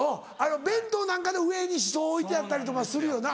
弁当なんかの上にシソ置いてあったりとかするよな。